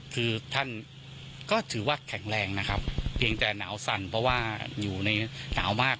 คือท่านก็ถือว่าแข็งแรงนะครับเพียงแต่หนาวสั่นเพราะว่าอยู่ในหนาวมาก